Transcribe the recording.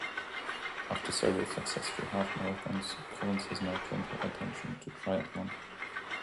After several successful half marathons Collins has now turned her attention to triathlon.